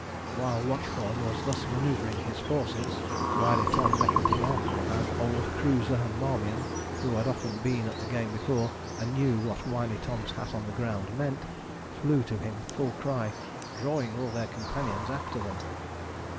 While Watchorn was thus manoeuvring his forces Wily Tom beckoned him on, and old Cruiser and Marmion, who had often been at the game before, and knew what Wily Tom's hat on the ground meant, flew to him full cry, drawing all their companions after them.